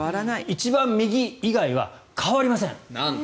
一番右以外は変わりません。